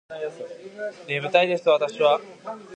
眠たいです私は